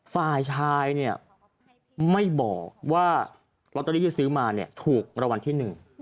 ฝ่ายชายเนี่ยไม่บอกว่าลอตเตอรี่ที่ซื้อมาเนี่ยถูกรางวัลที่หนึ่ง